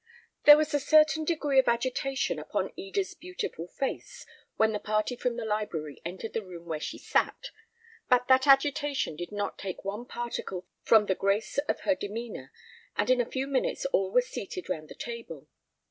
There was a certain degree of agitation upon Eda's beautiful face, when the party from the library entered the room where she sat; but that agitation did not take one particle from the grace of her demeanour; and in a few minutes all were seated round the table.